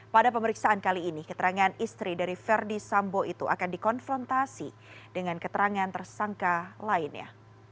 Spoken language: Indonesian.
pada pemeriksaan kali ini keterangan istri dari verdi sambo itu akan dikonfrontasi dengan keterangan tersangka lainnya